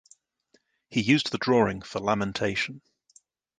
He used the drawing for "Lamentation".